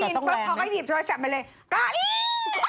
อย่าพูดออกมานิดนึง